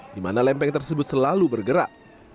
di mana lempeng tersebut selalu bergerak